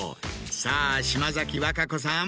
さぁ島崎和歌子さん